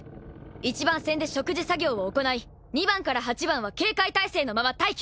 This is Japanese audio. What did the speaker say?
一番船で植樹作業を行い二番から八番は警戒態勢のまま待機。